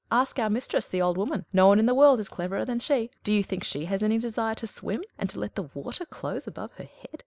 Ask our mistress, the old woman; no one in the world is cleverer than she. Do you think she has any desire to swim, and to let the water close above her head?"